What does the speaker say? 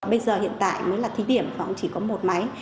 bây giờ hiện tại mới là thí điểm nó cũng chỉ có một máy